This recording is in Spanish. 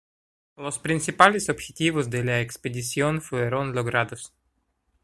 Los principales objetivos de la expedición fueron logrados.